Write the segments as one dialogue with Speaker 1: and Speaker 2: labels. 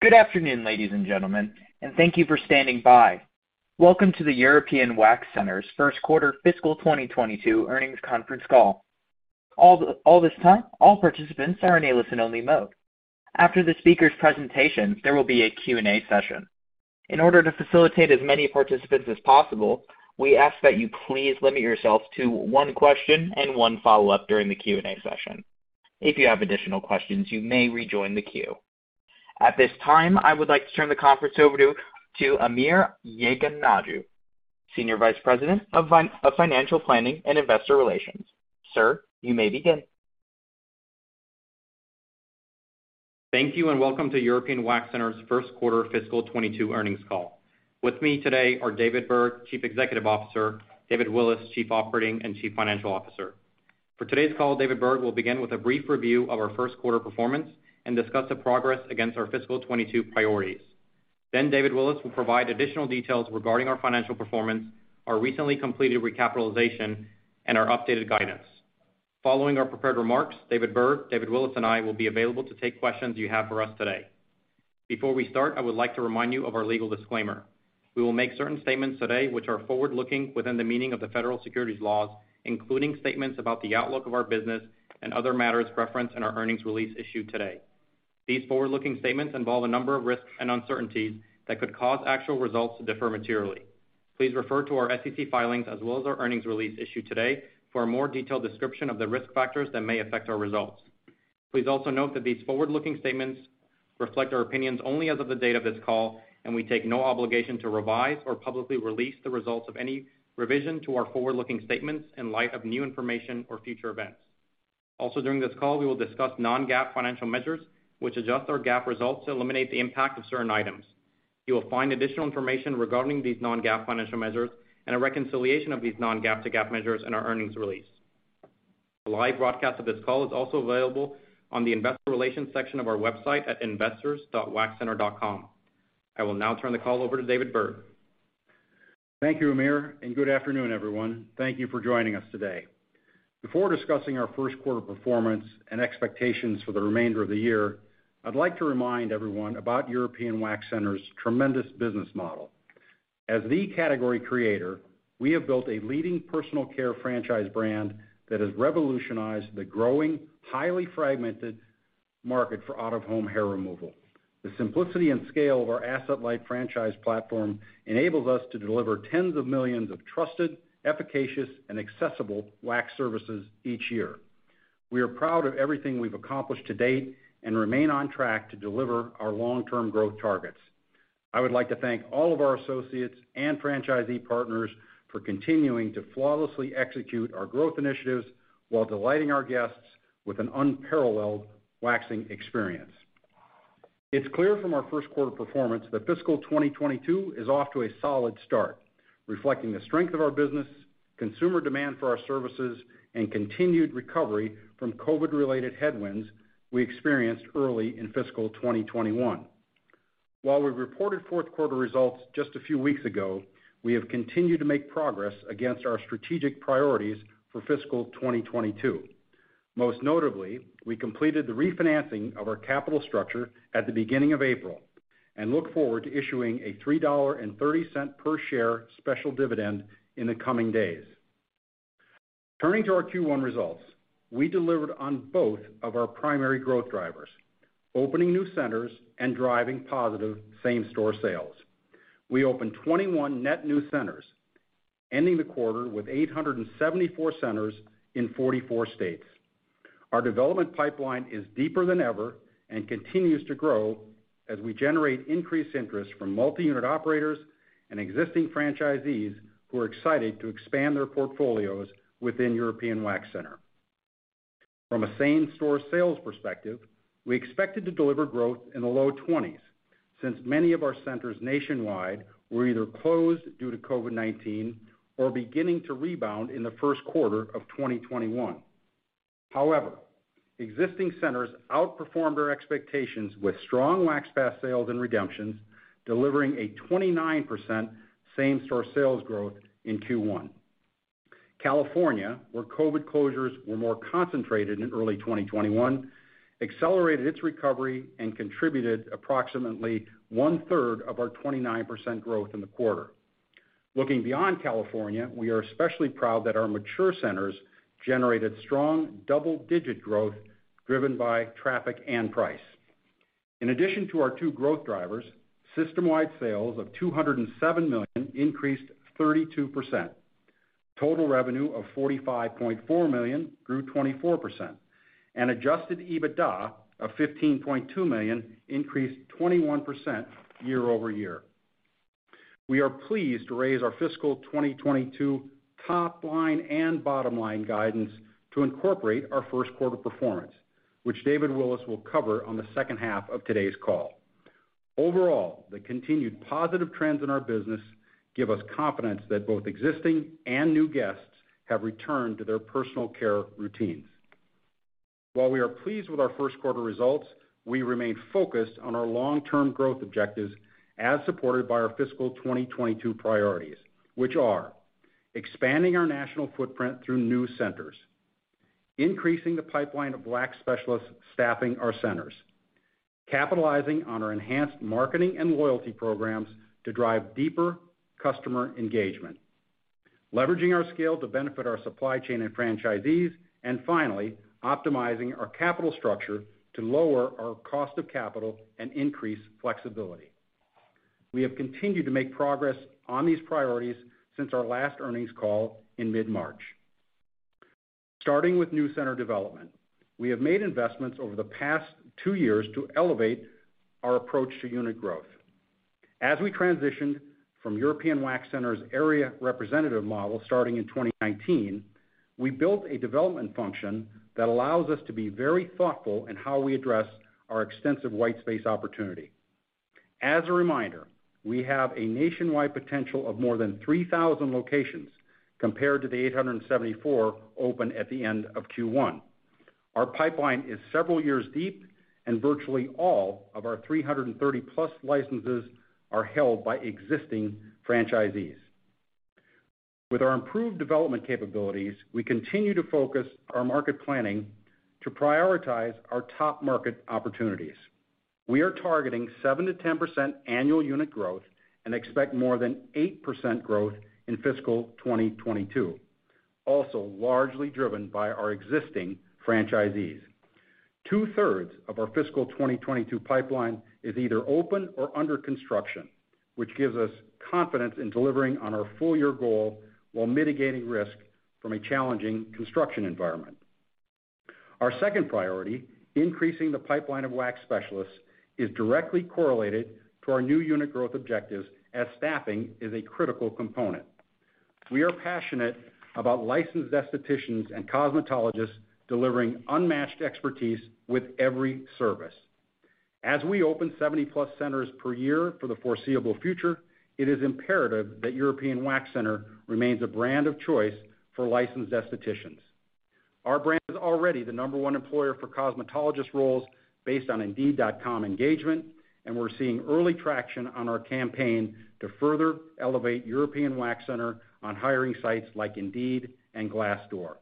Speaker 1: Good afternoon, ladies and gentlemen, and thank you for standing by. Welcome to the European Wax Center's First Quarter Fiscal 2022 Earnings Conference Call. At this time, all participants are in a listen-only mode. After the speaker's presentation, there will be a Q&A session. In order to facilitate as many participants as possible, we ask that you please limit yourself to one question and one follow-up during the Q&A session. If you have additional questions, you may rejoin the queue. At this time, I would like to turn the conference over to Amir Yeganehjoo, Senior Vice President of Financial Planning and Investor Relations. Sir, you may begin.
Speaker 2: Thank you, and welcome to European Wax Center's First Quarter Fiscal 2022 Earnings Call. With me today are David Berg, Chief Executive Officer; David Willis, Chief Operating and Chief Financial Officer. For today's call, David Berg will begin with a brief review of our first quarter performance and discuss the progress against our fiscal 2022 priorities. Then David Willis will provide additional details regarding our financial performance, our recently completed recapitalization, and our updated guidance. Following our prepared remarks, David Berg, David Willis, and I will be available to take questions you have for us today. Before we start, I would like to remind you of our legal disclaimer. We will make certain statements today which are forward-looking within the meaning of the Federal Securities Laws, including statements about the outlook of our business and other matters referenced in our earnings release issued today. These forward-looking statements involve a number of risks and uncertainties that could cause actual results to differ materially. Please refer to our SEC filings as well as our earnings release issued today for a more detailed description of the risk factors that may affect our results. Please also note that these forward-looking statements reflect our opinions only as of the date of this call, and we take no obligation to revise or publicly release the results of any revision to our forward-looking statements in light of new information or future events. Also, during this call, we will discuss non-GAAP financial measures, which adjust our GAAP results to eliminate the impact of certain items. You will find additional information regarding these non-GAAP financial measures and a reconciliation of these non-GAAP to GAAP measures in our earnings release. A live broadcast of this call is also available on the Investor Relations section of our website at investors.waxcenter.com. I will now turn the call over to David Berg.
Speaker 3: Thank you, Amir, and good afternoon, everyone. Thank you for joining us today. Before discussing our first quarter performance and expectations for the remainder of the year, I'd like to remind everyone about European Wax Center's tremendous business model. As the category creator, we have built a leading personal care franchise brand that has revolutionized the growing, highly fragmented market for out-of-home hair removal. The simplicity and scale of our asset-light franchise platform enables us to deliver tens of millions of trusted, efficacious, and accessible wax services each year. We are proud of everything we've accomplished to date and remain on track to deliver our long-term growth targets. I would like to thank all of our associates and franchisee partners for continuing to flawlessly execute our growth initiatives while delighting our guests with an unparalleled waxing experience. It's clear from our first quarter performance that fiscal 2022 is off to a solid start, reflecting the strength of our business, consumer demand for our services, and continued recovery from COVID-related headwinds we experienced early in fiscal 2021. While we reported fourth quarter results just a few weeks ago, we have continued to make progress against our strategic priorities for fiscal 2022. Most notably, we completed the refinancing of our capital structure at the beginning of April and look forward to issuing a $3.30 per share special dividend in the coming days. Turning to our Q1 results, we delivered on both of our primary growth drivers, opening new centers and driving positive same-store sales. We opened 21 net new centers, ending the quarter with 874 centers in 44 states. Our development pipeline is deeper than ever and continues to grow as we generate increased interest from multi-unit operators and existing franchisees who are excited to expand their portfolios within European Wax Center. From a same-store sales perspective, we expected to deliver growth in the low 20s since many of our centers nationwide were either closed due to COVID-19 or beginning to rebound in the first quarter of 2021. However, existing centers outperformed our expectations with strong Wax Pass sales and redemptions, delivering a 29% same-store sales growth in Q1. California, where COVID closures were more concentrated in early 2021, accelerated its recovery and contributed approximately one-third of our 29% growth in the quarter. Looking beyond California, we are especially proud that our mature centers generated strong double-digit growth driven by traffic and price. In addition to our two growth drivers, system-wide sales of $207 million increased 32%. Total revenue of $45.4 million grew 24%. Adjusted EBITDA of $15.2 million increased 21% year over year. We are pleased to raise our fiscal 2022 top line and bottom line guidance to incorporate our first quarter performance, which David Willis will cover on the second half of today's call. Overall, the continued positive trends in our business give us confidence that both existing and new guests have returned to their personal care routines. While we are pleased with our first quarter results, we remain focused on our long-term growth objectives as supported by our fiscal 2022 priorities, which are expanding our national footprint through new centers. Increasing the pipeline of wax specialists staffing our centers. Capitalizing on our enhanced marketing and loyalty programs to drive deeper customer engagement. Leveraging our scale to benefit our supply chain and franchisees, and finally, optimizing our capital structure to lower our cost of capital and increase flexibility. We have continued to make progress on these priorities since our last earnings call in mid-March. Starting with new center development, we have made investments over the past two years to elevate our approach to unit growth. As we transitioned from European Wax Center's area representative model starting in 2019, we built a development function that allows us to be very thoughtful in how we address our extensive white space opportunity. As a reminder, we have a nationwide potential of more than 3,000 locations compared to the 874 open at the end of Q1. Our pipeline is several years deep, and virtually all of our 330+ licenses are held by existing franchisees. With our improved development capabilities, we continue to focus our market planning to prioritize our top market opportunities. We are targeting 7%-10% annual unit growth and expect more than 8% growth in fiscal 2022, also largely driven by our existing franchisees. 2/3 of our fiscal 2022 pipeline is either open or under construction, which gives us confidence in delivering on our full year goal while mitigating risk from a challenging construction environment. Our second priority, increasing the pipeline of wax specialists, is directly correlated to our new unit growth objectives as staffing is a critical component. We are passionate about licensed aestheticians and cosmetologists delivering unmatched expertise with every service. As we open 70+ centers per year for the foreseeable future, it is imperative that European Wax Center remains a brand of choice for licensed aestheticians. Our brand is already the number one employer for cosmetologist roles based on Indeed.com engagement, and we're seeing early traction on our campaign to further elevate European Wax Center on hiring sites like Indeed and Glassdoor.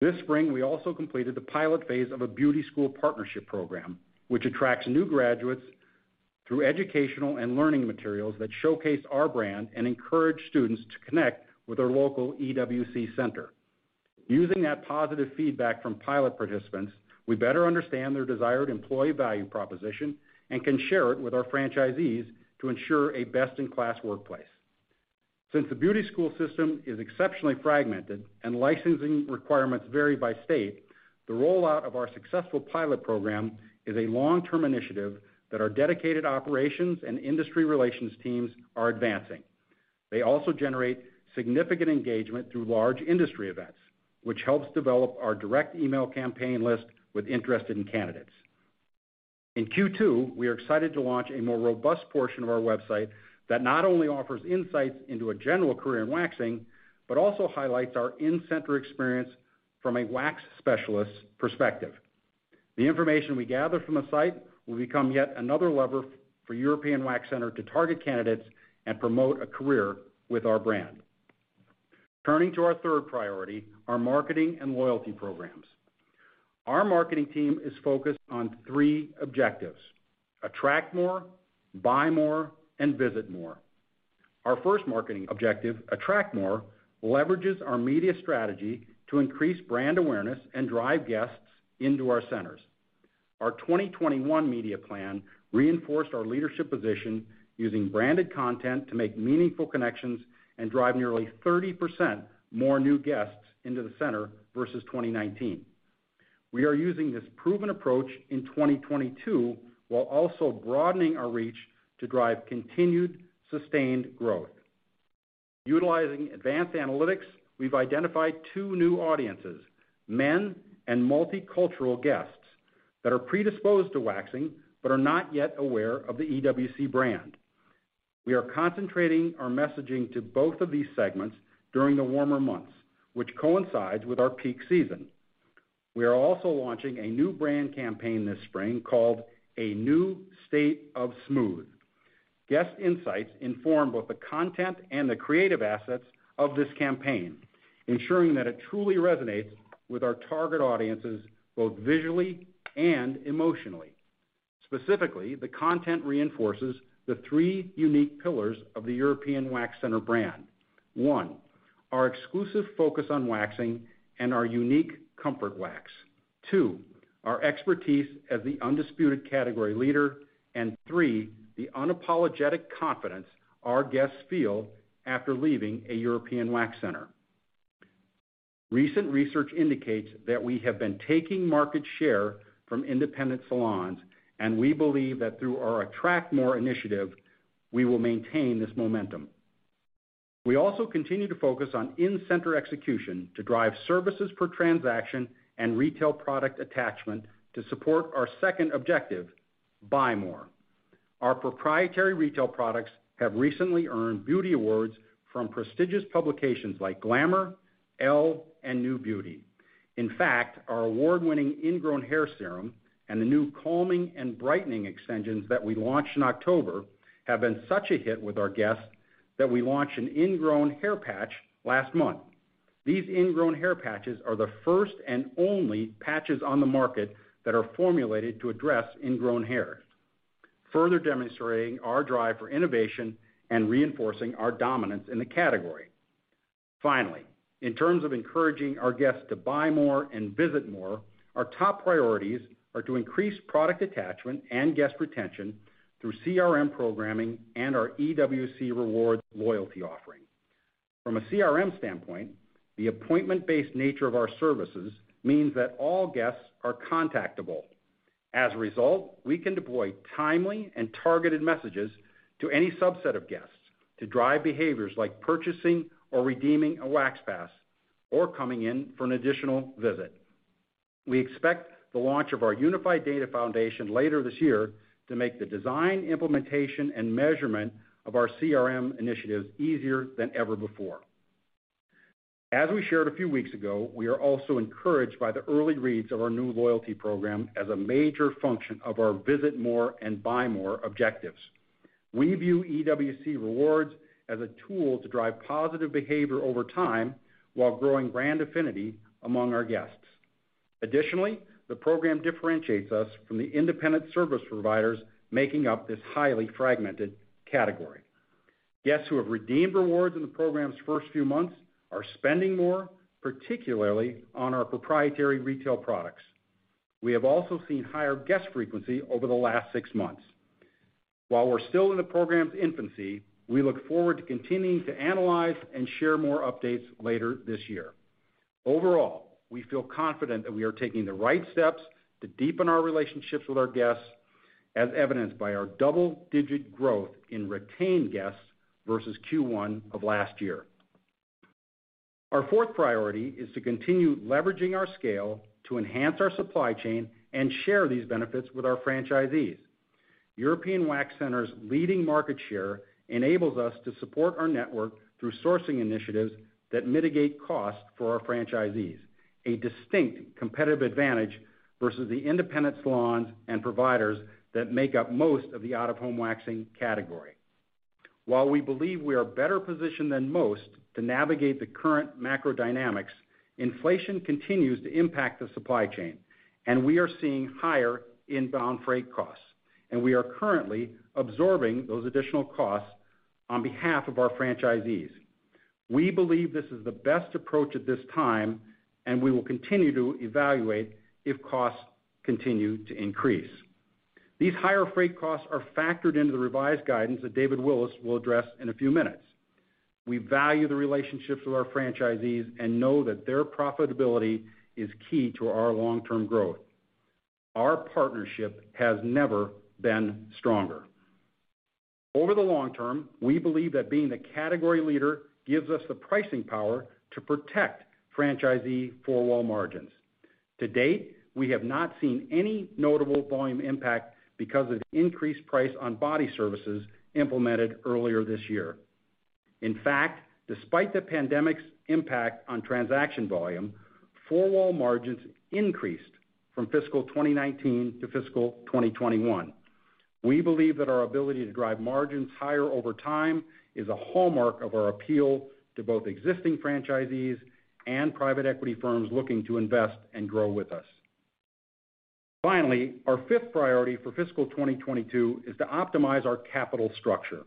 Speaker 3: This spring, we also completed the pilot phase of a beauty school partnership program, which attracts new graduates through educational and learning materials that showcase our brand and encourage students to connect with their local EWC center. Using that positive feedback from pilot participants, we better understand their desired employee value proposition and can share it with our franchisees to ensure a best-in-class workplace. Since the beauty school system is exceptionally fragmented and licensing requirements vary by state, the rollout of our successful pilot program is a long-term initiative that our dedicated operations and industry relations teams are advancing. They also generate significant engagement through large industry events, which helps develop our direct email campaign list with interested candidates. In Q2, we are excited to launch a more robust portion of our website that not only offers insights into a general career in waxing, but also highlights our in-center experience from a wax specialist perspective. The information we gather from the site will become yet another lever for European Wax Center to target candidates and promote a career with our brand. Turning to our third priority, our marketing and loyalty programs. Our marketing team is focused on three objectives, attract more, buy more, and visit more. Our first marketing objective, attract more, leverages our media strategy to increase brand awareness and drive guests into our centers. Our 2021 media plan reinforced our leadership position using branded content to make meaningful connections and drive nearly 30% more new guests into the center versus 2019. We are using this proven approach in 2022, while also broadening our reach to drive continued sustained growth. Utilizing advanced analytics, we've identified two new audiences, men and multicultural guests, that are predisposed to waxing but are not yet aware of the EWC brand. We are concentrating our messaging to both of these segments during the warmer months, which coincides with our peak season. We are also launching a new brand campaign this spring called A New State of Smooth. Guest insights inform both the content and the creative assets of this campaign, ensuring that it truly resonates with our target audiences, both visually and emotionally. Specifically, the content reinforces the three unique pillars of the European Wax Center brand. One, our exclusive focus on waxing and our unique Comfort Wax. Two, our expertise as the undisputed category leader. And three, the unapologetic confidence our guests feel after leaving a European Wax Center. Recent research indicates that we have been taking market share from independent salons, and we believe that through our Attract More initiative, we will maintain this momentum. We also continue to focus on in-center execution to drive services per transaction and retail product attachment to support our second objective, buy more. Our proprietary retail products have recently earned beauty awards from prestigious publications like Glamour, Elle, and NewBeauty. In fact, our award-winning Ingrown Hair Serum and the new Calming Ingrown Hair Serum and Brightening Ingrown Hair Serum that we launched in October have been such a hit with our guests that we launched an Ingrown Hair Patch last month. These Ingrown Hair Patches are the first and only patches on the market that are formulated to address ingrown hair, further demonstrating our drive for innovation and reinforcing our dominance in the category. Finally, in terms of encouraging our guests to buy more and visit more, our top priorities are to increase product attachment and guest retention through CRM programming and our EWC Rewards loyalty offering. From a CRM standpoint, the appointment-based nature of our services means that all guests are contactable. As a result, we can deploy timely and targeted messages to any subset of guests to drive behaviors like purchasing or redeeming a Wax Pass or coming in for an additional visit. We expect the launch of our unified data foundation later this year to make the design, implementation, and measurement of our CRM initiatives easier than ever before. As we shared a few weeks ago, we are also encouraged by the early reads of our new loyalty program as a major function of our Visit More and Buy More objectives. We view EWC Rewards as a tool to drive positive behavior over time while growing brand affinity among our guests. Additionally, the program differentiates us from the independent service providers making up this highly fragmented category. Guests who have redeemed rewards in the program's first few months are spending more, particularly on our proprietary retail products. We have also seen higher guest frequency over the last six months. While we're still in the program's infancy, we look forward to continuing to analyze and share more updates later this year. Overall, we feel confident that we are taking the right steps to deepen our relationships with our guests, as evidenced by our double-digit growth in retained guests versus Q1 of last year. Our fourth priority is to continue leveraging our scale to enhance our supply chain and share these benefits with our franchisees. European Wax Center's leading market share enables us to support our network through sourcing initiatives that mitigate costs for our franchisees, a distinct competitive advantage versus the independent salons and providers that make up most of the out-of-home waxing category. While we believe we are better positioned than most to navigate the current macro dynamics, inflation continues to impact the supply chain, and we are seeing higher inbound freight costs, and we are currently absorbing those additional costs on behalf of our franchisees. We believe this is the best approach at this time, and we will continue to evaluate if costs continue to increase. These higher freight costs are factored into the revised guidance that David Willis will address in a few minutes. We value the relationships with our franchisees and know that their profitability is key to our long-term growth. Our partnership has never been stronger. Over the long term, we believe that being the category leader gives us the pricing power to protect franchisee four-wall margins. To date, we have not seen any notable volume impact because of the increased price on body services implemented earlier this year. In fact, despite the pandemic's impact on transaction volume, four-wall margins increased from fiscal 2019 to fiscal 2021. We believe that our ability to drive margins higher over time is a hallmark of our appeal to both existing franchisees and private equity firms looking to invest and grow with us. Finally, our fifth priority for fiscal 2022 is to optimize our capital structure.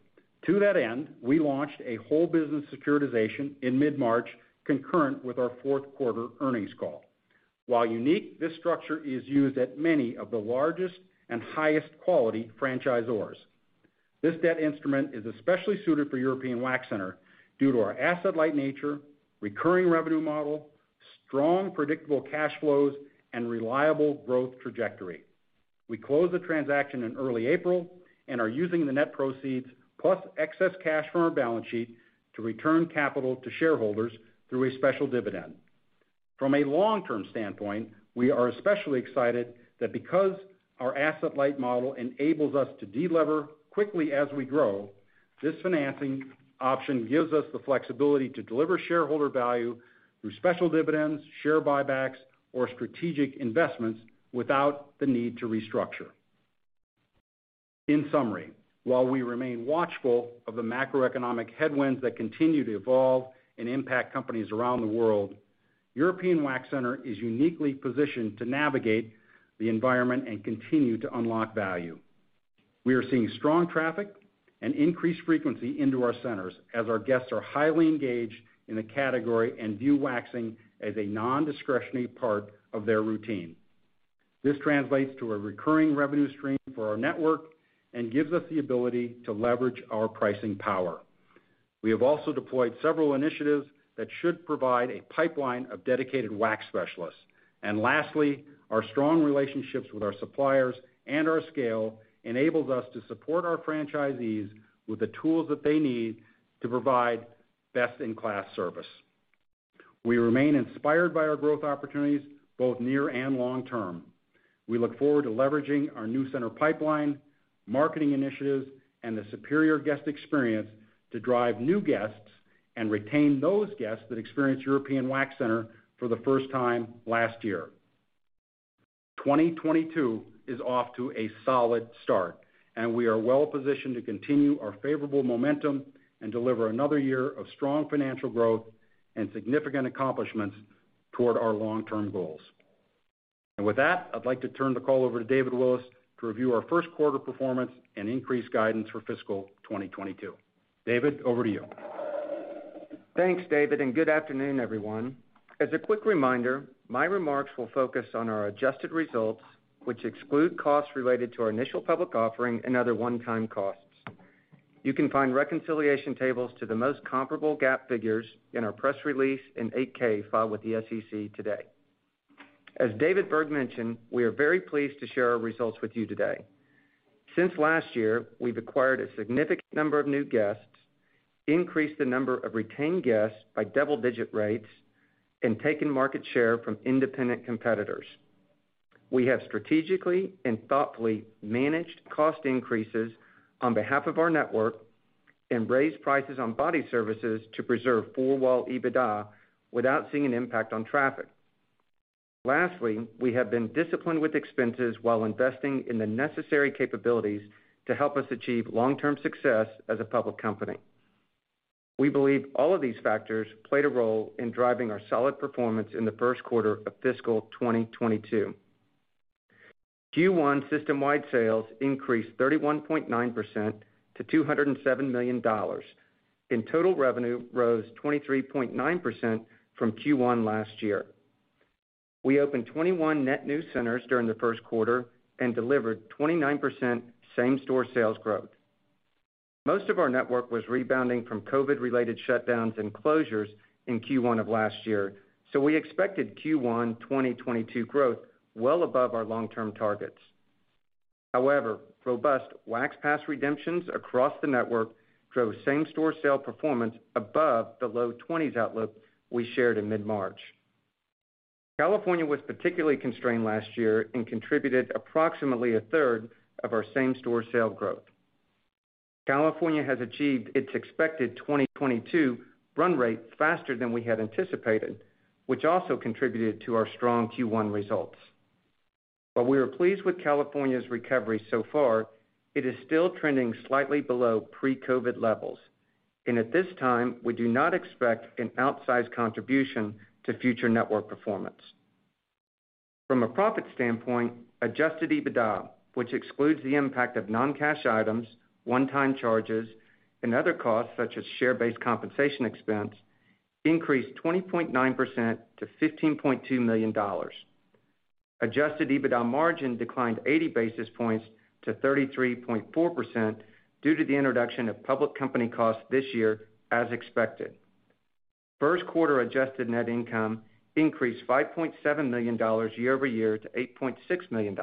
Speaker 3: To that end, we launched a whole business securitization in mid-March, concurrent with our fourth quarter earnings call. While unique, this structure is used at many of the largest and highest quality franchisors. This debt instrument is especially suited for European Wax Center due to our asset-light nature, recurring revenue model, strong, predictable cash flows, and reliable growth trajectory. We closed the transaction in early April and are using the net proceeds plus excess cash from our balance sheet to return capital to shareholders through a special dividend. From a long-term standpoint, we are especially excited that because our asset-light model enables us to delever quickly as we grow, this financing option gives us the flexibility to deliver shareholder value through special dividends, share buybacks, or strategic investments without the need to restructure. In summary, while we remain watchful of the macroeconomic headwinds that continue to evolve and impact companies around the world, European Wax Center is uniquely positioned to navigate the environment and continue to unlock value. We are seeing strong traffic and increased frequency into our centers as our guests are highly engaged in the category and view waxing as a nondiscretionary part of their routine. This translates to a recurring revenue stream for our network and gives us the ability to leverage our pricing power. We have also deployed several initiatives that should provide a pipeline of dedicated wax specialists. Lastly, our strong relationships with our suppliers and our scale enables us to support our franchisees with the tools that they need to provide best-in-class service. We remain inspired by our growth opportunities, both near and long term. We look forward to leveraging our new center pipeline, marketing initiatives, and the superior guest experience to drive new guests and retain those guests that experienced European Wax Center for the first time last year. 2022 is off to a solid start, and we are well-positioned to continue our favorable momentum and deliver another year of strong financial growth and significant accomplishments toward our long-term goals. With that, I'd like to turn the call over to David Willis to review our first quarter performance and increased guidance for fiscal 2022. David, over to you.
Speaker 4: Thanks, David, and good afternoon, everyone. As a quick reminder, my remarks will focus on our adjusted results, which exclude costs related to our initial public offering and other one-time costs. You can find reconciliation tables to the most comparable GAAP figures in our press release and 8-K filed with the SEC today. As David Berg mentioned, we are very pleased to share our results with you today. Since last year, we've acquired a significant number of new guests, increased the number of retained guests by double-digit rates, and taken market share from independent competitors. We have strategically and thoughtfully managed cost increases on behalf of our network and raised prices on body services to preserve four-wall EBITDA without seeing an impact on traffic. Lastly, we have been disciplined with expenses while investing in the necessary capabilities to help us achieve long-term success as a public company. We believe all of these factors played a role in driving our solid performance in the first quarter of fiscal 2022. Q1 system-wide sales increased 31.9% to $207 million, and total revenue rose 23.9% from Q1 last year. We opened 21 net new centers during the first quarter and delivered 29% same-store sales growth. Most of our network was rebounding from COVID-related shutdowns and closures in Q1 of last year, so we expected Q1 2022 growth well above our long-term targets. However, robust Wax Pass redemptions across the network drove same-store sales performance above the low twenties outlook we shared in mid-March. California was particularly constrained last year and contributed approximately a third of our same-store sales growth. California has achieved its expected 2022 run rate faster than we had anticipated, which also contributed to our strong Q1 results. While we are pleased with California's recovery so far, it is still trending slightly below pre-COVID levels. At this time, we do not expect an outsized contribution to future network performance. From a profit standpoint, adjusted EBITDA, which excludes the impact of non-cash items, one-time charges, and other costs such as share-based compensation expense, increased 20.9% to $15.2 million. Adjusted EBITDA margin declined 80 basis points to 33.4% due to the introduction of public company costs this year as expected. First quarter adjusted net income increased $5.7 million year-over-year to $8.6 million.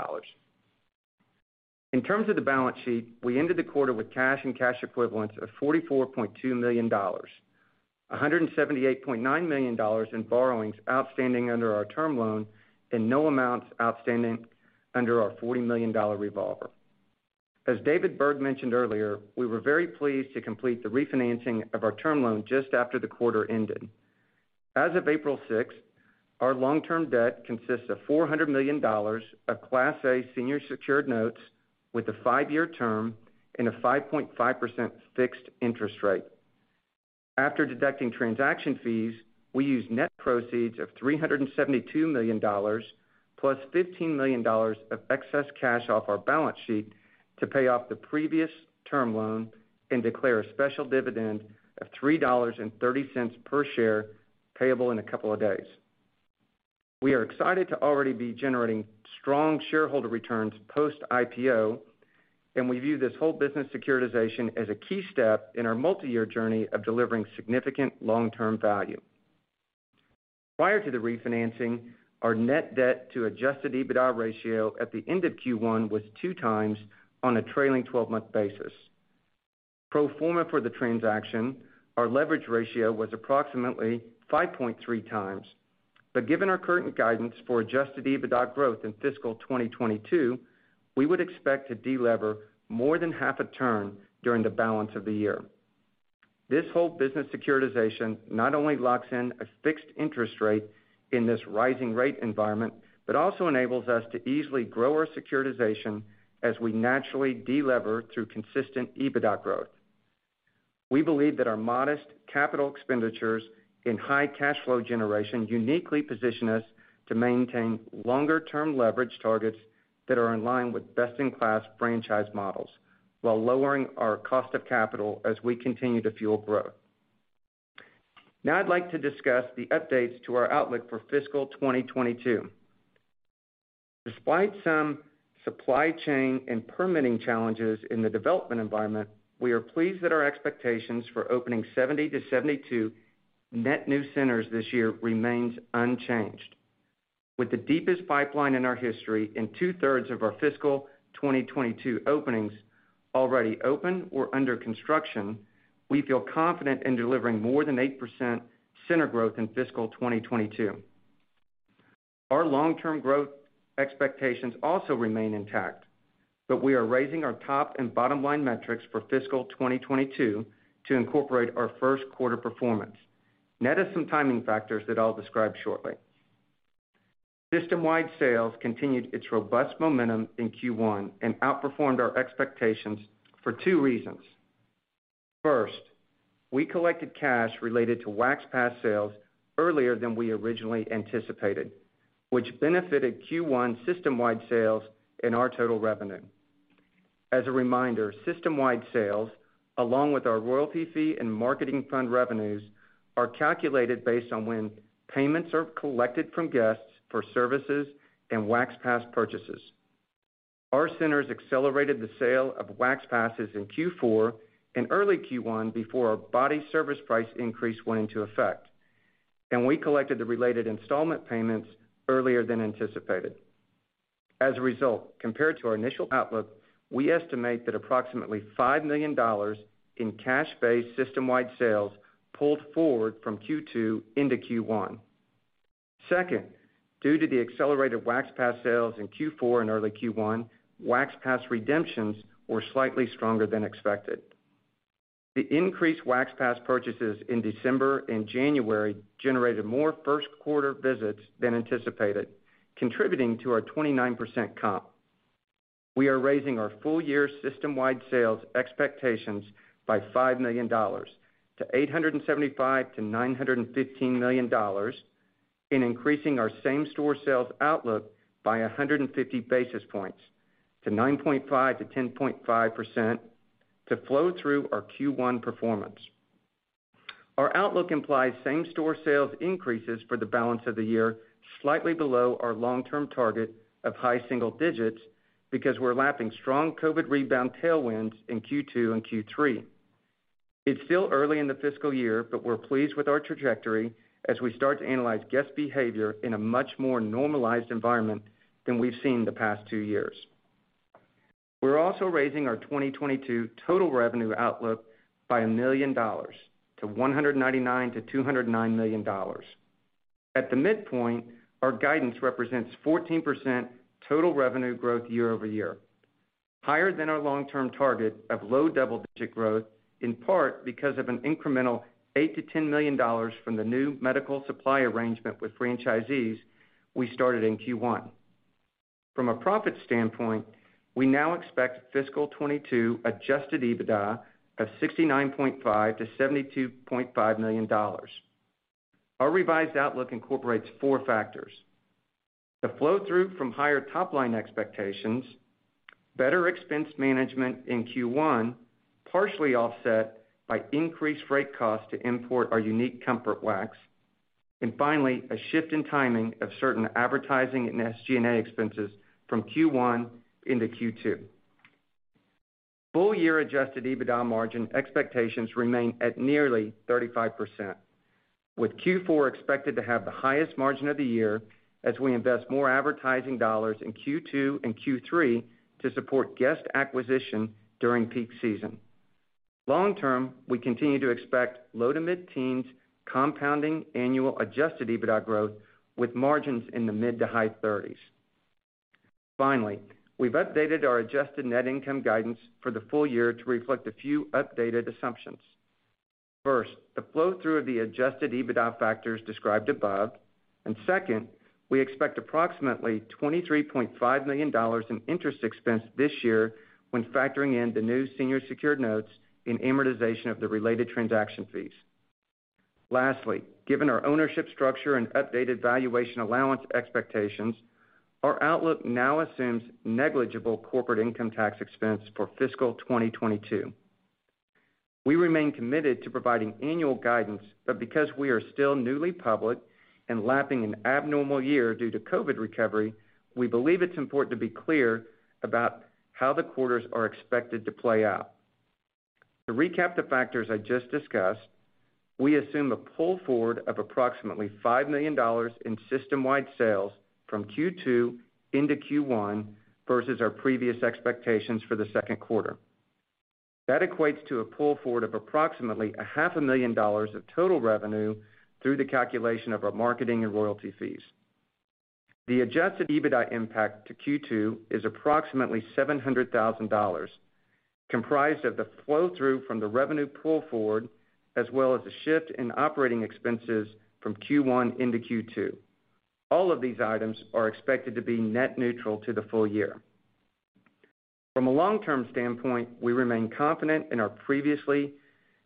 Speaker 4: In terms of the balance sheet, we ended the quarter with cash and cash equivalents of $44.2 million, $178.9 million in borrowings outstanding under our term loan, and no amounts outstanding under our $40 million revolver. As David Berg mentioned earlier, we were very pleased to complete the refinancing of our term loan just after the quarter ended. As of April 6th, our long-term debt consists of $400 million of Class A senior secured notes with a five-year term and a 5.5% fixed interest rate. After deducting transaction fees, we used net proceeds of $372 million plus $15 million of excess cash off our balance sheet to pay off the previous term loan and declare a special dividend of $3.30 per share payable in a couple of days. We are excited to already be generating strong shareholder returns post-IPO, and we view this whole business securitization as a key step in our multi-year journey of delivering significant long-term value. Prior to the refinancing, our net debt to adjusted EBITDA ratio at the end of Q1 was 2x on a trailing twelve-month basis. Pro forma for the transaction, our leverage ratio was approximately 5.3x. Given our current guidance for adjusted EBITDA growth in fiscal 2022, we would expect to delever more than half a turn during the balance of the year. This whole business securitization not only locks in a fixed interest rate in this rising rate environment, but also enables us to easily grow our securitization as we naturally delever through consistent EBITDA growth. We believe that our modest capital expenditures and high cash flow generation uniquely position us to maintain longer-term leverage targets that are in line with best-in-class franchise models while lowering our cost of capital as we continue to fuel growth. Now I'd like to discuss the updates to our outlook for fiscal 2022. Despite some supply chain and permitting challenges in the development environment, we are pleased that our expectations for opening 70-72 net new centers this year remains unchanged. With the deepest pipeline in our history and two-thirds of our fiscal 2022 openings already open or under construction, we feel confident in delivering more than 8% center growth in fiscal 2022. Our long-term growth expectations also remain intact. We are raising our top and bottom line metrics for fiscal 2022 to incorporate our first quarter performance, net of some timing factors that I'll describe shortly. System-wide sales continued its robust momentum in Q1 and outperformed our expectations for two reasons. First, we collected cash related to Wax Pass sales earlier than we originally anticipated, which benefited Q1 system-wide sales and our total revenue. As a reminder, system-wide sales, along with our royalty fee and marketing fund revenues, are calculated based on when payments are collected from guests for services and Wax Pass purchases. Our centers accelerated the sale of Wax Passes in Q4 and early Q1 before our body service price increase went into effect, and we collected the related installment payments earlier than anticipated. As a result, compared to our initial outlook, we estimate that approximately $5 million in cash-based system-wide sales pulled forward from Q2 into Q1. Second, due to the accelerated Wax Pass sales in Q4 and early Q1, Wax Pass redemptions were slightly stronger than expected. The increased Wax Pass purchases in December and January generated more first-quarter visits than anticipated, contributing to our 29% comp. We are raising our full year system-wide sales expectations by $5 million to $875 million-$915 million and increasing our same-store sales outlook by 150 basis points to 9.5%-10.5% to flow through our Q1 performance. Our outlook implies same-store sales increases for the balance of the year, slightly below our long-term target of high single digits because we're lapping strong COVID rebound tailwinds in Q2 and Q3. It's still early in the fiscal year, but we're pleased with our trajectory as we start to analyze guest behavior in a much more normalized environment than we've seen the past two years. We're also raising our 2022 total revenue outlook by $1 million to $199 million-$209 million. At the midpoint, our guidance represents 14% total revenue growth year-over-year, higher than our long-term target of low double-digit growth, in part because of an incremental $8-$10 million from the new medical supply arrangement with franchisees we started in Q1. From a profit standpoint, we now expect fiscal 2022 adjusted EBITDA of $69.5-$72.5 million. Our revised outlook incorporates four factors, the flow-through from higher top-line expectations, better expense management in Q1, partially offset by increased freight costs to import our unique Comfort Wax, and finally, a shift in timing of certain advertising and SG&A expenses from Q1 into Q2. Full year adjusted EBITDA margin expectations remain at nearly 35%, with Q4 expected to have the highest margin of the year as we invest more advertising dollars in Q2 and Q3 to support guest acquisition during peak season. Long term, we continue to expect low- to mid-teens% compounding annual adjusted EBITDA growth with margins in the mid- to high 30s%. Finally, we've updated our adjusted net income guidance for the full year to reflect a few updated assumptions. First, the flow-through of the adjusted EBITDA factors described above. Second, we expect approximately $23.5 million in interest expense this year when factoring in the new senior secured notes and amortization of the related transaction fees. Lastly, given our ownership structure and updated valuation allowance expectations, our outlook now assumes negligible corporate income tax expense for fiscal 2022. We remain committed to providing annual guidance, but because we are still newly public and lapping an abnormal year due to COVID recovery, we believe it's important to be clear about how the quarters are expected to play out. To recap the factors I just discussed, we assume a pull forward of approximately $5 million in system-wide sales from Q2 into Q1 versus our previous expectations for the second quarter. That equates to a pull forward of approximately a half a million dollars of total revenue through the calculation of our marketing and royalty fees. The adjusted EBITDA impact to Q2 is approximately $700,000, comprised of the flow-through from the revenue pull forward, as well as the shift in operating expenses from Q1 into Q2. All of these items are expected to be net neutral to the full year. From a long-term standpoint, we remain confident in our previously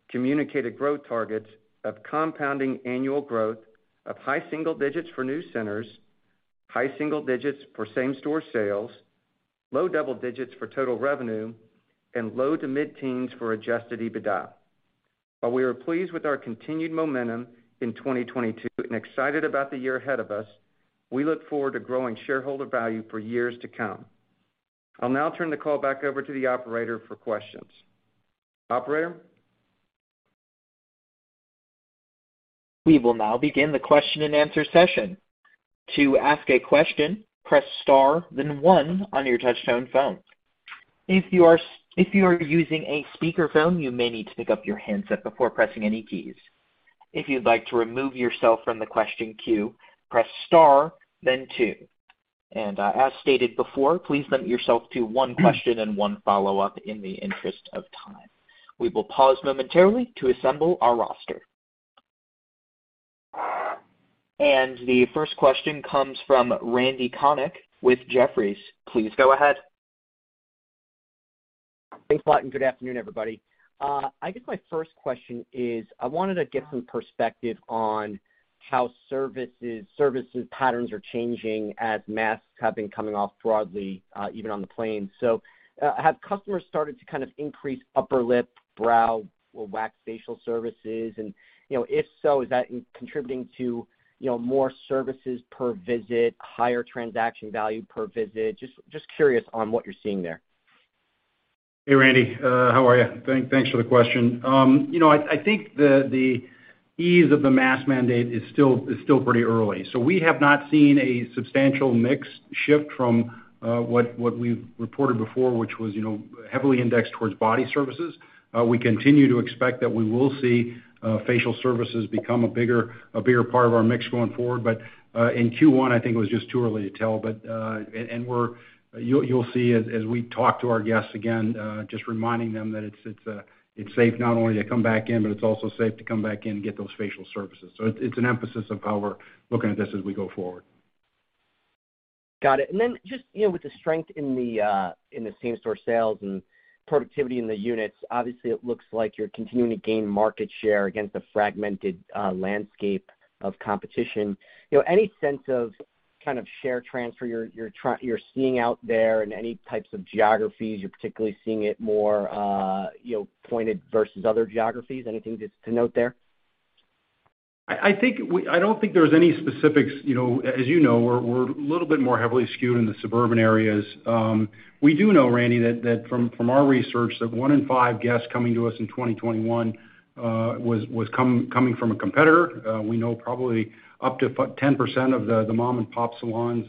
Speaker 4: communicated growth targets of compounding annual growth of high single digits for new centers, high single digits for same-store sales, low double digits for total revenue, and low to mid-teens for adjusted EBITDA. While we are pleased with our continued momentum in 2022 and excited about the year ahead of us, we look forward to growing shareholder value for years to come. I'll now turn the call back over to the operator for questions. Operator?
Speaker 1: We will now begin the question-and-answer session. To ask a question, press star then one on your touchtone phone. If you are using a speakerphone, you may need to pick up your handset before pressing any keys. If you'd like to remove yourself from the question queue, press star then two. As stated before, please limit yourself to one question and one follow-up in the interest of time. We will pause momentarily to assemble our roster. The first question comes from Randy Konik with Jefferies. Please go ahead.
Speaker 5: Thanks a lot, and good afternoon, everybody. I guess my first question is, I wanted to get some perspective on how services patterns are changing as masks have been coming off broadly, even on the plane. Have customers started to kind of increase upper lip, brow or wax facial services? You know, if so, is that contributing to more services per visit, higher transaction value per visit? Just curious on what you're seeing there.
Speaker 3: Hey, Randy, how are you? Thanks for the question. I think the ease of the mask mandate is still pretty early. We have not seen a substantial mix shift from what we've reported before, which was, you know, heavily indexed towards body services. We continue to expect that we will see facial services become a bigger part of our mix going forward. In Q1, I think it was just too early to tell. You'll see as we talk to our guests again, just reminding them that it's safe not only to come back in, but it's also safe to come back in and get those facial services. It's an emphasis of how we're looking at this as we go forward.
Speaker 5: Got it. Just, you know, with the strength in the same-store sales and productivity in the units, obviously it looks like you're continuing to gain market share against a fragmented landscape of competition. You know, any sense of kind of share transfer you're seeing out there, and any types of geographies you're particularly seeing it more, you know, pointed versus other geographies? Anything just to note there?
Speaker 3: I don't think there's any specifics. You know, as you know, we're a little bit more heavily skewed in the suburban areas. We do know, Randy, that from our research that one in five guests coming to us in 2021 was coming from a competitor. We know probably up to 50% of the mom-and-pop salons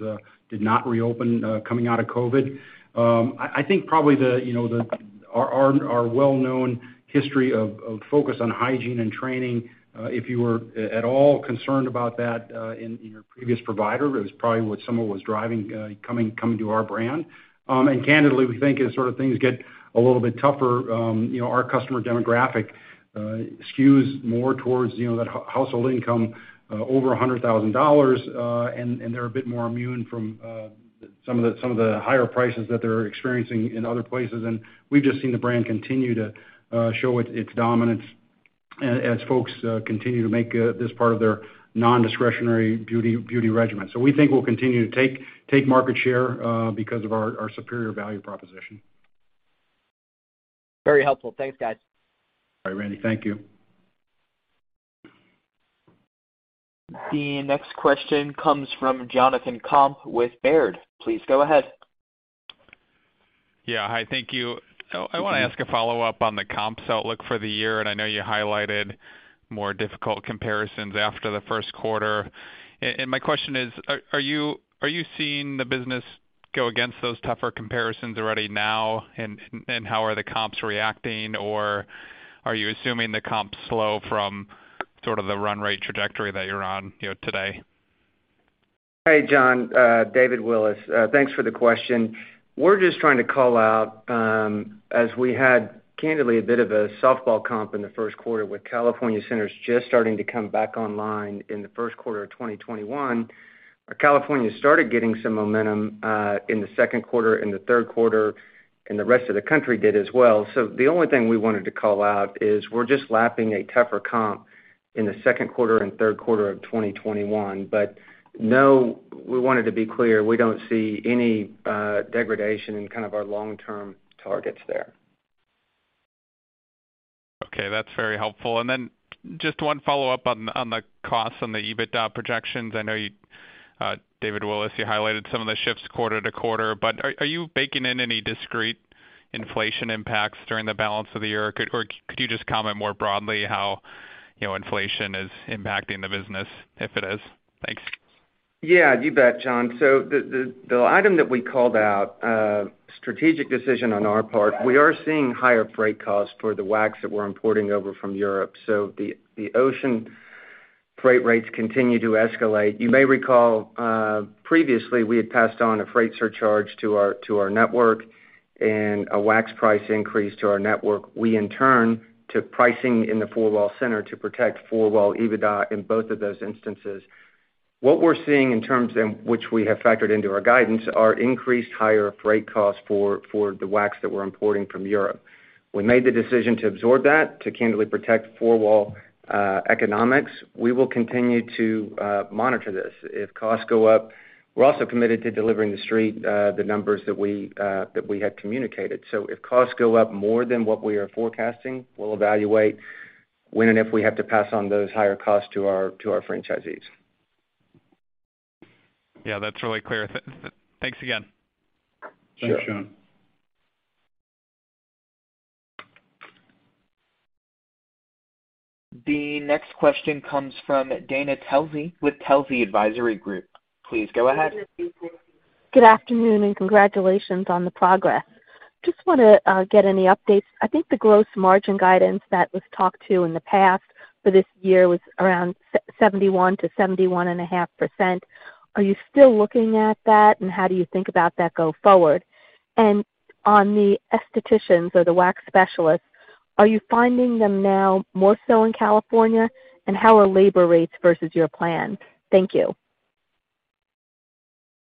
Speaker 3: did not reopen coming out of COVID. I think probably, you know, our well-known history of focus on hygiene and training, if you were at all concerned about that in your previous provider, it was probably what some of it was driving coming to our brand. Candidly, we think as sort of things get a little bit tougher, you know, our customer demographic skews more towards, you know, that household income over $100,000, and they're a bit more immune from some of the higher prices that they're experiencing in other places. We've just seen the brand continue to show its dominance as folks continue to make this part of their non-discretionary beauty regimen. We think we'll continue to take market share because of our superior value proposition.
Speaker 5: Very helpful. Thanks, guys.
Speaker 3: All right, Randy. Thank you.
Speaker 1: The next question comes from Jonathan Komp with Baird. Please go ahead.
Speaker 6: Yeah. Hi. Thank you.
Speaker 3: Thank you.
Speaker 6: I wanna ask a follow-up on the comps outlook for the year, and I know you highlighted more difficult comparisons after the first quarter. My question is, are you seeing the business go against those tougher comparisons already now, and how are the comps reacting? Are you assuming the comps slow from sort of the run rate trajectory that you're on, you know, today?
Speaker 4: Hey, John. David Willis. Thanks for the question. We're just trying to call out, as we had candidly a bit of a softball comp in the first quarter with California centers just starting to come back online in the first quarter of 2021. California started getting some momentum in the second quarter, in the third quarter, and the rest of the country did as well. The only thing we wanted to call out is we're just lapping a tougher comp in the second quarter and third quarter of 2021. No, we wanted to be clear, we don't see any degradation in kind of our long-term targets there.
Speaker 6: Okay. That's very helpful. Then just one follow-up on the costs on the EBITDA projections. I know you, David Willis, you highlighted some of the shifts quarter to quarter, but are you baking in any discrete inflation impacts during the balance of the year? Or could you just comment more broadly how, you know, inflation is impacting the business, if it is? Thanks.
Speaker 4: Yeah, you bet, John. The item that we called out, strategic decision on our part, we are seeing higher freight costs for the wax that we're importing over from Europe. The ocean freight rates continue to escalate. You may recall, previously we had passed on a freight surcharge to our network and a wax price increase to our network. We in turn took pricing in the four-wall center to protect four-wall EBITDA in both of those instances. What we're seeing in terms which we have factored into our guidance are increased higher freight costs for the wax that we're importing from Europe. We made the decision to absorb that to candidly protect four-wall economics. We will continue to monitor this. If costs go up, we're also committed to delivering the street, the numbers that we had communicated. If costs go up more than what we are forecasting, we'll evaluate when and if we have to pass on those higher costs to our franchisees.
Speaker 6: Yeah, that's really clear. Thanks again.
Speaker 4: Sure.
Speaker 3: Thanks, John.
Speaker 1: The next question comes from Dana Telsey with Telsey Advisory Group. Please go ahead.
Speaker 7: Good afternoon, and congratulations on the progress. Just wanna get any updates. I think the gross margin guidance that was talked to in the past for this year was around 71%-71.5%. Are you still looking at that? How do you think about that going forward? On the estheticians or the wax specialists, are you finding them now more so in California? How are labor rates versus your plan? Thank you.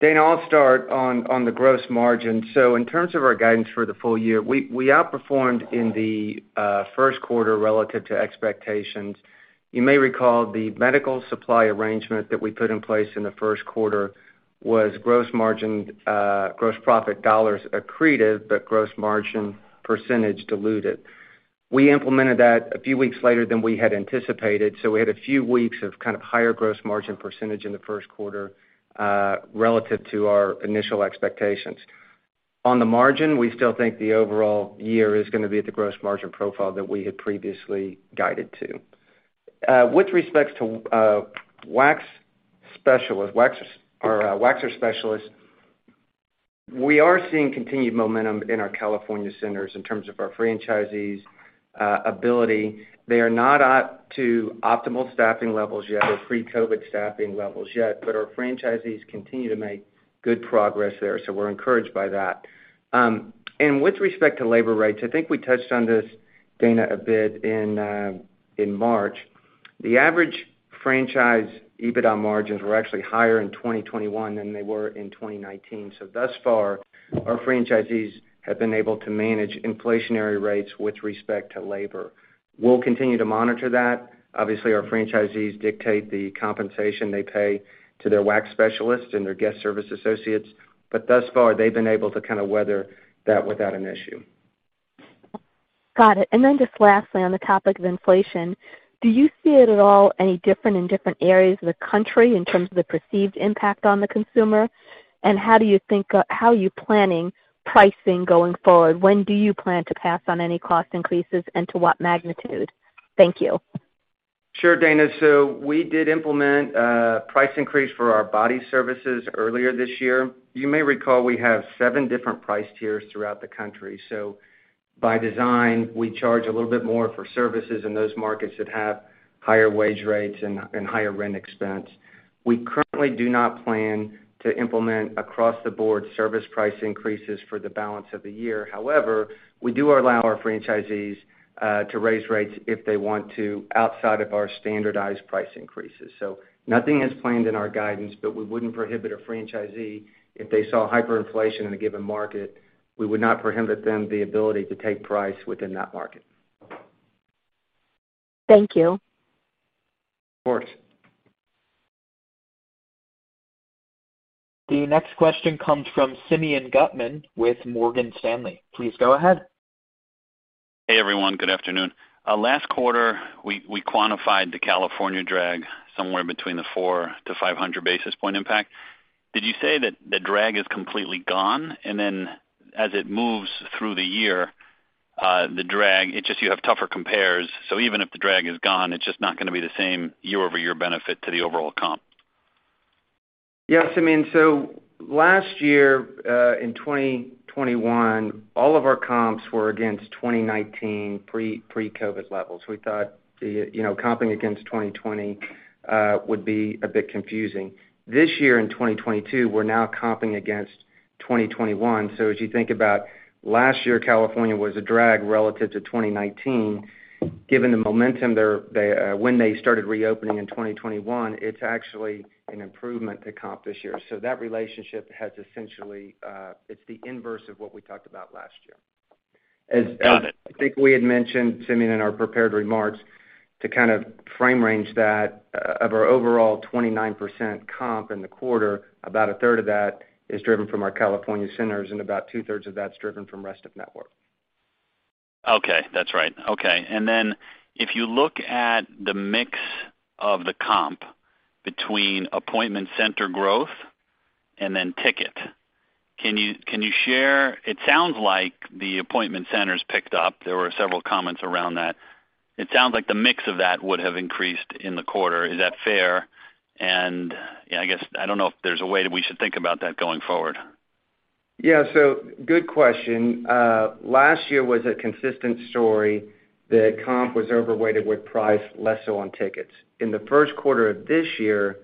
Speaker 4: Dana, I'll start on the gross margin. In terms of our guidance for the full year, we outperformed in the first quarter relative to expectations. You may recall the merchandise supply arrangement that we put in place in the first quarter was gross profit dollars accretive, but gross margin percentage diluted. We implemented that a few weeks later than we had anticipated, so we had a few weeks of kind of higher gross margin percentage in the first quarter relative to our initial expectations. On the margin, we still think the overall year is gonna be at the gross margin profile that we had previously guided to. With respect to wax specialist or waxer specialists, we are seeing continued momentum in our California centers in terms of our franchisees' ability. They are not up to optimal staffing levels yet or pre-COVID staffing levels yet, but our franchisees continue to make good progress there. We're encouraged by that. With respect to labor rates, I think we touched on this, Dana, a bit in March. The average franchise EBITDA margins were actually higher in 2021 than they were in 2019. Thus far, our franchisees have been able to manage inflationary rates with respect to labor. We'll continue to monitor that. Obviously, our franchisees dictate the compensation they pay to their wax specialists and their guest service associates, thus far they've been able to kind of weather that without an issue.
Speaker 7: Got it. Just lastly, on the topic of inflation, do you see it at all any different in different areas of the country in terms of the perceived impact on the consumer? How are you planning pricing going forward? When do you plan to pass on any cost increases and to what magnitude? Thank you.
Speaker 4: Sure, Dana. We did implement a price increase for our body services earlier this year. You may recall we have seven different price tiers throughout the country. By design, we charge a little bit more for services in those markets that have higher wage rates and higher rent expense. We currently do not plan to implement across the board service price increases for the balance of the year. However, we do allow our franchisees to raise rates if they want to outside of our standardized price increases. Nothing is planned in our guidance, but we wouldn't prohibit a franchisee if they saw hyperinflation in a given market. We would not prohibit them the ability to take price within that market.
Speaker 7: Thank you.
Speaker 4: Of course.
Speaker 1: The next question comes from Simeon Gutman with Morgan Stanley. Please go ahead.
Speaker 8: Hey, everyone. Good afternoon. Last quarter, we quantified the California drag somewhere between 400-500 basis points impact. Did you say that the drag is completely gone? As it moves through the year, the drag, it's just you have tougher compares, so even if the drag is gone, it's just not gonna be the same year-over-year benefit to the overall comp?
Speaker 4: Yes, Simeon. Last year, in 2021, all of our comps were against 2019 pre-COVID levels. We thought the, you know, comping against 2020 would be a bit confusing. This year in 2022, we're now comping against 2021. As you think about last year, California was a drag relative to 2019, given the momentum there, they when they started reopening in 2021, it's actually an improvement to comp this year. That relationship has essentially, it's the inverse of what we talked about last year.
Speaker 8: Got it.
Speaker 4: As I think we had mentioned, Simeon, in our prepared remarks, to kind of frame the range that of our overall 29% comp in the quarter, about a third of that is driven from our California centers, and about two-thirds of that's driven from the rest of the network.
Speaker 8: Okay. That's right. Okay. Then if you look at the mix of the comp between appointment center growth and then ticket, can you share? It sounds like the appointment centers picked up. There were several comments around that. It sounds like the mix of that would have increased in the quarter. Is that fair? Yeah, I guess, I don't know if there's a way that we should think about that going forward.
Speaker 4: Yeah. Good question. Last year was a consistent story that comp was overweighted with price, less so on tickets. In the first quarter of this year,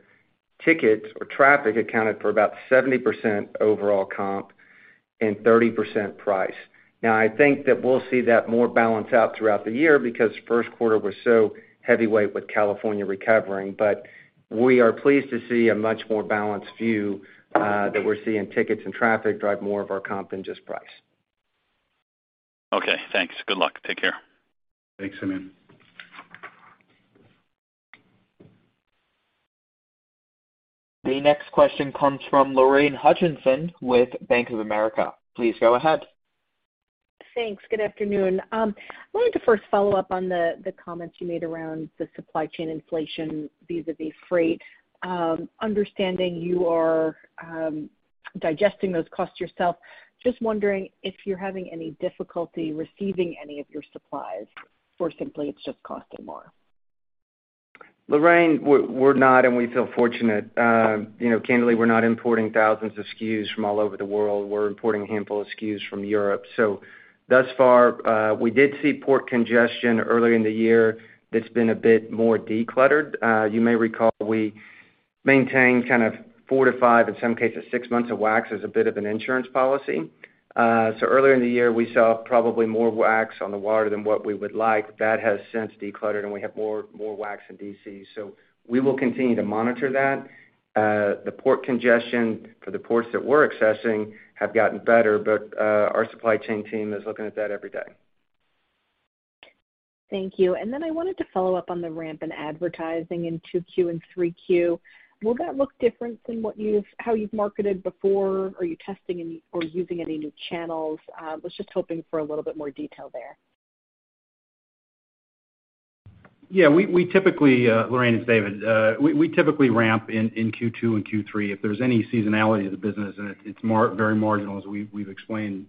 Speaker 4: tickets or traffic accounted for about 70% overall comp and 30% price. Now, I think that we'll see that more balance out throughout the year because first quarter was so heavily weighted with California recovering. We are pleased to see a much more balanced view, that we're seeing tickets and traffic drive more of our comp than just price.
Speaker 8: Okay, thanks. Good luck. Take care.
Speaker 4: Thanks, Simeon.
Speaker 1: The next question comes from Lorraine Hutchinson with Bank of America. Please go ahead.
Speaker 9: Thanks. Good afternoon. I wanted to first follow up on the comments you made around the supply chain inflation vis-a-vis freight. Understanding you are digesting those costs yourself, just wondering if you're having any difficulty receiving any of your supplies or simply it's just costing more?
Speaker 4: Lorraine, we're not and we feel fortunate. You know, candidly, we're not importing thousands of SKUs from all over the world. We're importing a handful of SKUs from Europe. Thus far, we did see port congestion earlier in the year that's been a bit more decluttered. You may recall we maintain kind of four to five, in some cases, six months of wax as a bit of an insurance policy. Earlier in the year, we saw probably more wax on the water than what we would like. That has since decluttered, and we have more wax in D.C. We will continue to monitor that. The port congestion for the ports that we're accessing have gotten better, but our supply chain team is looking at that every day.
Speaker 9: Thank you. I wanted to follow up on the ramp in advertising in 2Q and 3Q. Will that look different than how you've marketed before? Are you testing any or using any new channels? I was just hoping for a little bit more detail there.
Speaker 3: Yeah. Lorraine, it's David. We typically ramp in Q2 and Q3 if there's any seasonality to the business, and it's very marginal as we've explained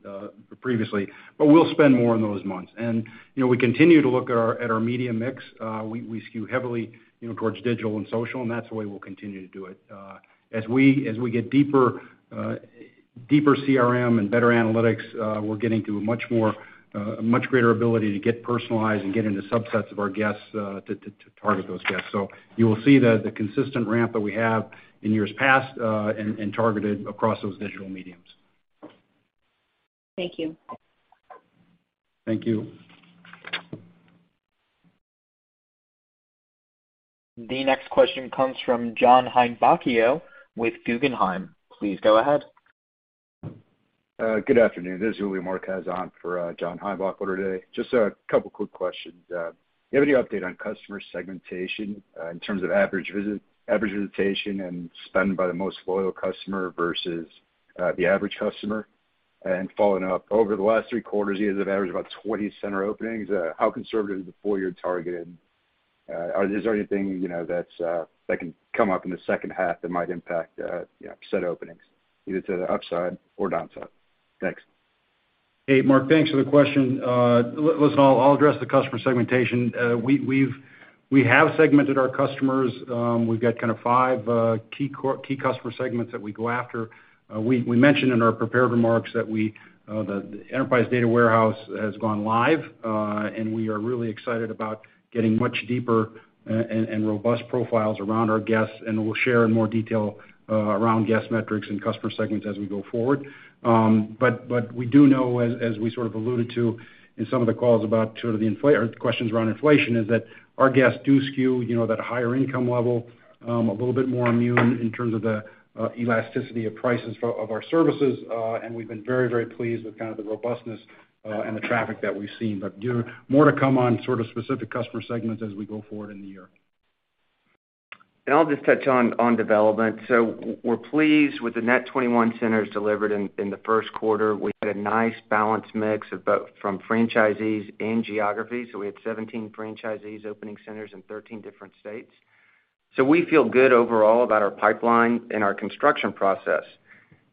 Speaker 3: previously. We'll spend more in those months. You know, we continue to look at our media mix. We skew heavily towards digital and social, and that's the way we'll continue to do it. As we get deeper CRM and better analytics, we're getting to a much greater ability to get personalized and get into subsets of our guests to target those guests. You will see the consistent ramp that we have in years past and targeted across those digital mediums.
Speaker 9: Thank you.
Speaker 3: Thank you.
Speaker 1: The next question comes from John Heinbockel with Guggenheim. Please go ahead.
Speaker 10: Good afternoon. This is Julio Marquez on for John Heinbockel today. Just a couple quick questions. Do you have any update on customer segmentation in terms of average visit, average visitation and spend by the most loyal customer versus the average customer? Following up, over the last three quarters, you guys have averaged about 20 center openings. How conservative is the full year target? Is there anything, you know, that can come up in the second half that might impact, you know, said openings either to the upside or downside? Thanks.
Speaker 3: Hey, Mark. Thanks for the question. Listen, I'll address the customer segmentation. We have segmented our customers. We've got kind of five key customer segments that we go after. We mentioned in our prepared remarks that the enterprise data warehouse has gone live, and we are really excited about getting much deeper and robust profiles around our guests, and we'll share in more detail around guest metrics and customer segments as we go forward. We do know, as we sort of alluded to in some of the calls about sort of the questions around inflation, that our guests do skew, you know, that higher income level a little bit more immune in terms of the elasticity of prices for our services, and we've been very, very pleased with kind of the robustness and the traffic that we've seen. More to come on sort of specific customer segments as we go forward in the year.
Speaker 4: I'll just touch on development. We're pleased with the net 21 centers delivered in the first quarter. We had a nice balanced mix of both from franchisees and geography, so we had 17 franchisees opening centers in 13 different states. We feel good overall about our pipeline and our construction process.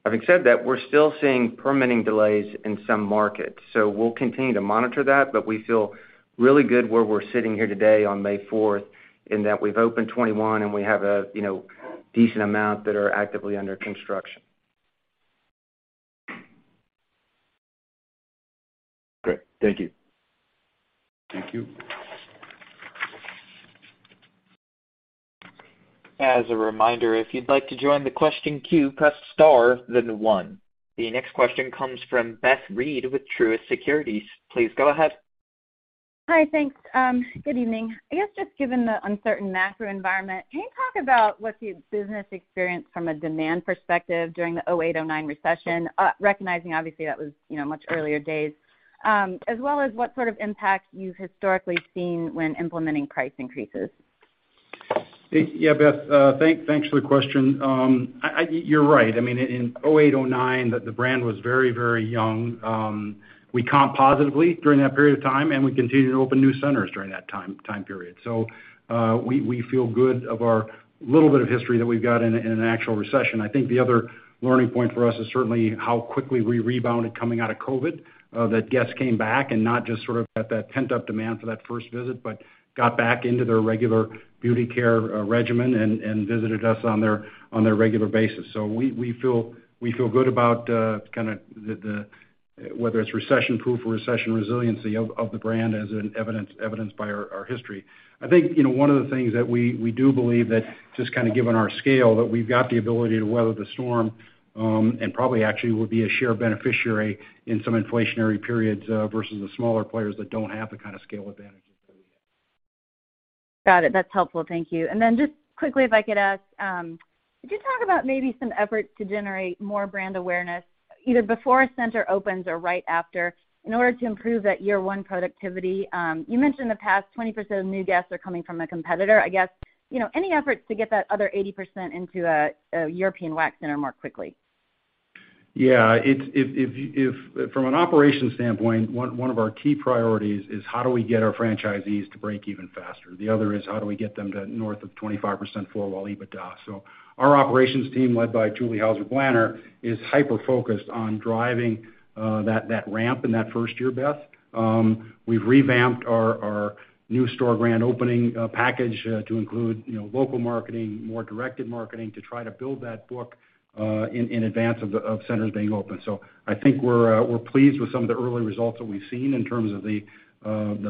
Speaker 4: Having said that, we're still seeing permitting delays in some markets, so we'll continue to monitor that, but we feel really good where we're sitting here today on May fourth in that we've opened 21 and we have a, you know, decent amount that are actively under construction.
Speaker 10: Great. Thank you.
Speaker 3: Thank you.
Speaker 1: As a reminder, if you'd like to join the question queue, press star then one. The next question comes from Beth Reed with Truist Securities. Please go ahead.
Speaker 11: Hi. Thanks. Good evening. I guess just given the uncertain macro environment, can you talk about what the business experienced from a demand perspective during the 2008, 2009 recession, recognizing obviously that was, you know, much earlier days, as well as what sort of impact you've historically seen when implementing price increases?
Speaker 3: Yeah, Beth. Thanks for the question. You're right. I mean, in 2008, 2009, the brand was very young. We comped positively during that period of time, and we continued to open new centers during that time period. We feel good about our little bit of history that we've got in an actual recession. I think the other learning point for us is certainly how quickly we rebounded coming out of COVID, that guests came back and not just sort of got that pent-up demand for that first visit but got back into their regular beauty care regimen and visited us on their regular basis. We feel good about the. whether it's recession-proof or recession resiliency of the brand as in evidenced by our history. I think, you know, one of the things that we do believe that just kinda given our scale, that we've got the ability to weather the storm, and probably actually we'll be a sheer beneficiary in some inflationary periods, versus the smaller players that don't have the kind of scale advantages that we have.
Speaker 11: Got it. That's helpful. Thank you. Then just quickly if I could ask, could you talk about maybe some efforts to generate more brand awareness either before a center opens or right after in order to improve that year one productivity? You mentioned in the past 20% of new guests are coming from a competitor. I guess, you know, any efforts to get that other 80% into a European Wax Center more quickly?
Speaker 3: If from an operations standpoint, one of our key priorities is how do we get our franchisees to break even faster? The other is how do we get them to north of 25% four-wall EBITDA. Our operations team, led by Julie Hauser-Blanner, is hyper-focused on driving that ramp in that first year, Beth. We've revamped our new store grand opening package to include, you know, local marketing, more directed marketing to try to build that book in advance of the centers being open. I think we're pleased with some of the early results that we've seen in terms of the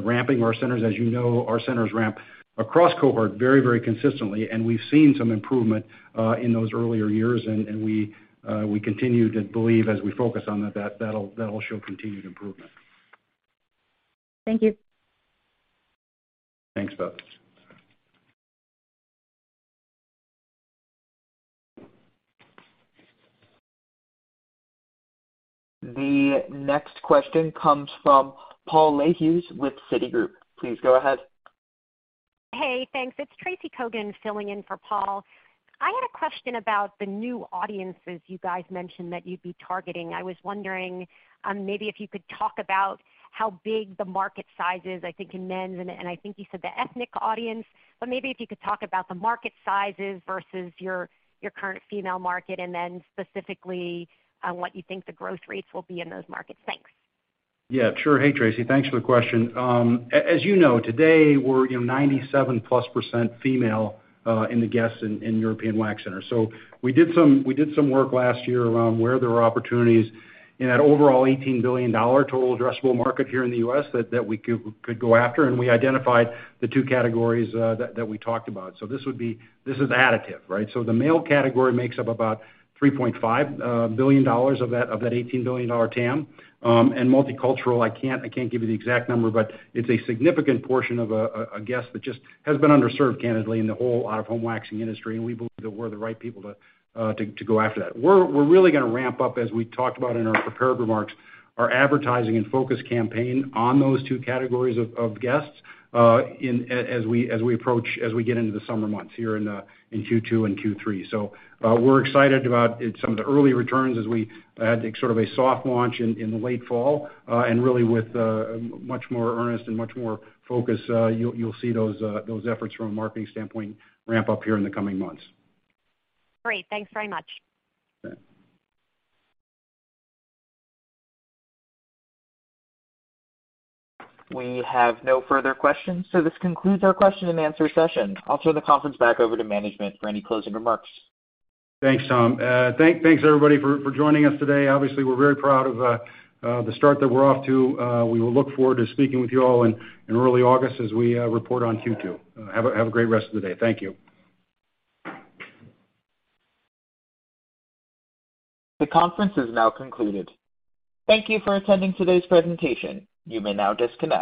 Speaker 3: ramping of our centers. As you know, our centers ramp across cohort very very consistently, and we've seen some improvement in those earlier years. We continue to believe as we focus on that'll show continued improvement.
Speaker 11: Thank you.
Speaker 3: Thanks, Beth.
Speaker 1: The next question comes from Paul Lejuez with Citigroup. Please go ahead.
Speaker 12: Hey, thanks. It's Tracy Kogan filling in for Paul. I had a question about the new audiences you guys mentioned that you'd be targeting. I was wondering, maybe if you could talk about how big the market size is, I think in men's and I think you said the ethnic audience, but maybe if you could talk about the market sizes versus your current female market and then specifically, what you think the growth rates will be in those markets. Thanks.
Speaker 3: Yeah, sure. Hey, Tracy, thanks for the question. As you know, today we're, you know, 97%+ female in the guests in European Wax Center. We did some work last year around where there are opportunities in that overall $18 billion total addressable market here in the U.S. that we could go after, and we identified the two categories that we talked about. This is additive, right? The male category makes up about $3.5 billion of that $18 billion TAM. Multicultural, I can't give you the exact number, but it's a significant portion of a guest that just has been underserved, candidly, in the whole out-of-home waxing industry, and we believe that we're the right people to go after that. We're really gonna ramp up, as we talked about in our prepared remarks, our advertising and focus campaign on those two categories of guests as we approach as we get into the summer months here in Q2 and Q3. We're excited about some of the early returns as we had sort of a soft launch in the late fall, and really with much more earnest and much more focus, you'll see those efforts from a marketing standpoint ramp up here in the coming months.
Speaker 12: Great. Thanks very much.
Speaker 3: Okay.
Speaker 1: We have no further questions, so this concludes our question-and-answer session. I'll turn the conference back over to management for any closing remarks.
Speaker 3: Thanks, Tom. Thanks everybody for joining us today. Obviously, we're very proud of the start that we're off to. We will look forward to speaking with you all in early August as we report on Q2. Have a great rest of the day. Thank you.
Speaker 1: The conference is now concluded. Thank you for attending today's presentation. You may now disconnect.